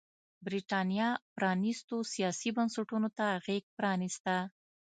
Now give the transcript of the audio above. برېټانیا پرانيستو سیاسي بنسټونو ته غېږ پرانېسته.